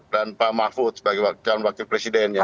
dan pak mahfud sebagai calon wakil presidennya